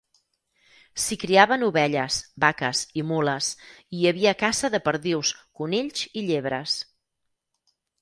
S'hi criaven ovelles, vaques i mules, i hi havia caça de perdius, conills i llebres.